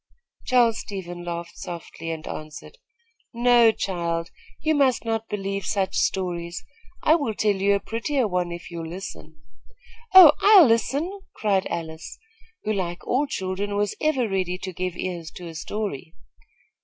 Charles Stevens laughed softly and answered: "No, child. You must not believe such stories. I will tell you a prettier one if you'll listen." "Oh, I'll listen!" cried Alice, who, like all children, was ever ready to give ears to a story.